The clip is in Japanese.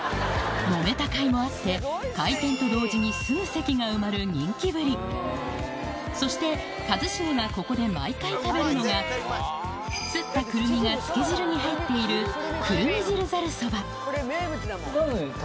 モメたかいもあって開店と同時にすぐ席が埋まる人気ぶりそして一茂がここで毎回食べるのがすったくるみがつけ汁に入っている私？